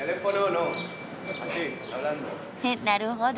なるほど。